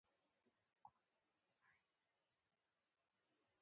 د مقر ولسوالي اوسېدونکي د پښتو ژبې مرکزي لهجه باندې خبرې کوي.